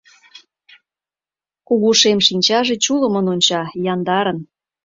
Кугу шем шинчаже чулымын онча, яндарын.